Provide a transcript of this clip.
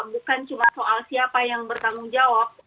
bukan cuma soal siapa yang bertanggung jawab